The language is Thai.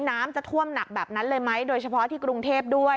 น้ำจะท่วมหนักแบบนั้นเลยไหมโดยเฉพาะที่กรุงเทพด้วย